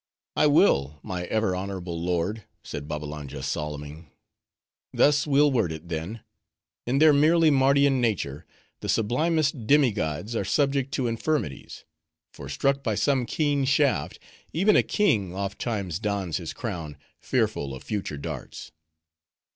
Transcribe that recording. "I will, my ever honorable lord," said Babbalanja, salaming. "Thus we'll word it, then: In their merely Mardian nature, the sublimest demi gods are subject to infirmities; for struck by some keen shaft, even a king ofttimes dons his crown, fearful of future darts."